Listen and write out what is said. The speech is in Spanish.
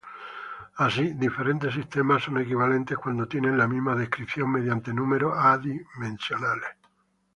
Así diferentes sistemas son equivalentes cuando tienen la misma descripción mediante números adimensionales.